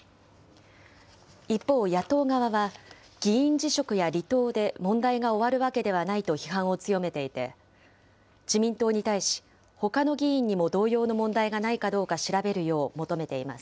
一方、野党側は議員辞職や離党で問題が終わるわけではないと批判を強めていて、自民党に対し、ほかの議員にも同様の問題がないかどうか調べるよう求めています。